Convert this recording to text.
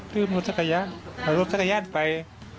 ลืมรถจักรยานลืมรถจักรยานไป